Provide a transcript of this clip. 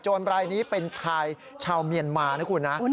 รายนี้เป็นชายชาวเมียนมานะคุณนะ